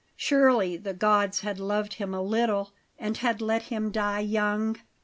Surely the gods had loved him a little, and had let him die young!